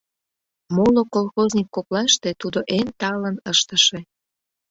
Моло колхозник коклаште тудо эн талын ыштыше.